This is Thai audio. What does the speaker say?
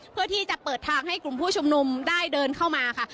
เพื่อที่จะเปิดทางให้กลุ่มผู้ชุมนุมได้เดินเข้ามาค่ะ